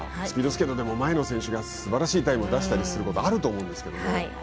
スピードスケートでも前の選手がすばらしいタイムを出したりすることあると思うんですけどね。